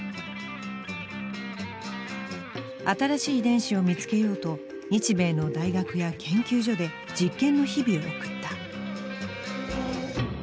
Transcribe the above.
新しい遺伝子を見つけようと日米の大学や研究所で実験の日々を送った。